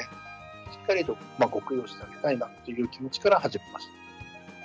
しっかりとご供養してあげたいなっていう気持ちから始めました。